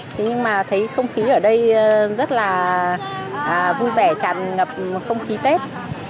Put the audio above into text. thế nhưng mà thấy không khí ở đây rất là vui vẻ tràn ngập một không khí tết